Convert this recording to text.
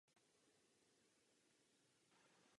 Tito dva se náhodou potkají a hluboce se do sebe zamilují.